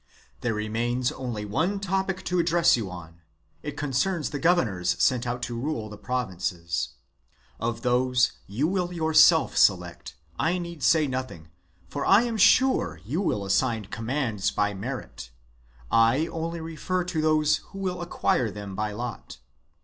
There remains "only one topic to address you on; it concerns the | governors sent out to rule the provinces. Of those _ you will yourself select, I need say nothing, for I am sure you will assign commands by merit; 1 only refer : to those who will acquire them by lot.